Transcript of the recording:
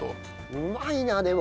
うまいなでも。